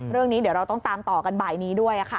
เรื่องนี้เดี๋ยวเราต้องตามต่อกันบ่ายนี้ด้วย